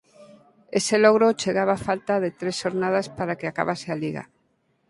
Ese logro chegaba a falta de tres xornadas para que acabase a liga.